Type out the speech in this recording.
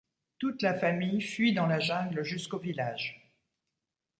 Toute la famille fuit dans la jungle jusqu'au village.